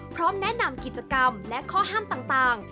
พร้อมแนะนำกิจกรรมและข้อห้ามต่าง